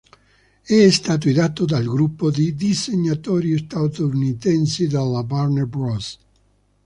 È stato ideato dal gruppo di disegnatori statunitensi della Warner Bros.